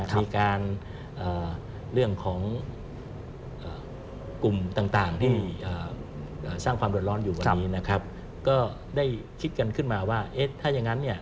มีการเรื่องของกลุ่มต่าง